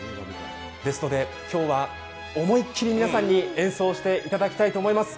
ですので今日は思いきり皆さんに演奏していただきたいと思います。